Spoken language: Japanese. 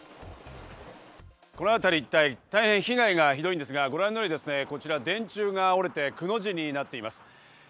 この辺り一帯、大変被害がひどいんですが、こちら電柱が折れて、くの字になっています。